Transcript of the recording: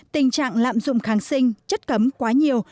tình trạng lạm dụng kháng sinh chất cấm quá nhiều